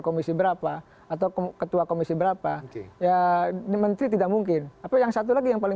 komisi berapa atau ketua komisi berapa ya di menteri tidak mungkin apa yang satu lagi yang paling